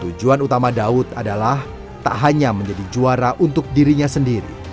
tujuan utama daud adalah tak hanya menjadi juara untuk dirinya sendiri